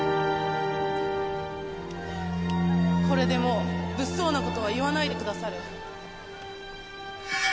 これでもう物騒なことは言わないでくださる？